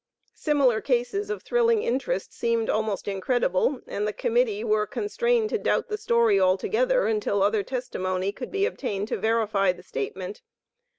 Similar cases of thrilling interest seemed almost incredible, and the Committee were constrained to doubt the story altogether until other testimony could be obtained to verify the statement.